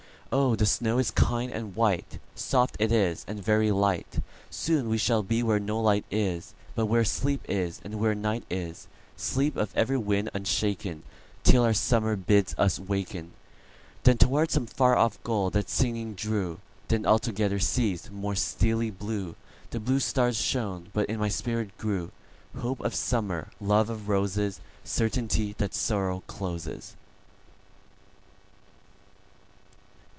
Oh, the snow is kind and white,—Soft it is, and very light; Soon we shall be where no light is, But where sleep is, and where night is,—Sleep of every wind unshaken, Till our Summer bids us waken."Then toward some far off goal that singing drew; Then altogether ceas'd; more steely blueThe blue stars shone; but in my spirit grewHope of Summer, love of Roses, Certainty that Sorrow closes.